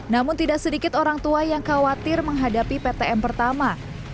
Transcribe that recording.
namun tidak sedikit orang tua yang khawatir menghadapi ptm pertama